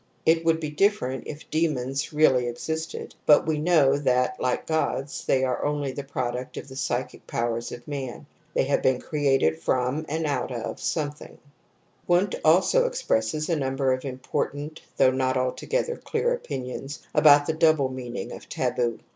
It would be different if demons really existed ; but we know that, like gods, they are only the product / t 42 TOTEM AND TABOO of the psychic powers of man ; they have been created from and out of something Wundt also expresses a mmiber of important though not altogether clear opinions about the double meaning of taboo.